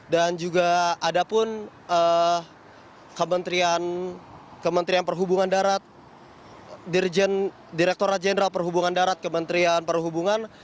dan juga ada pun kementerian perhubungan darat direkturat jenderal perhubungan darat kementerian perhubungan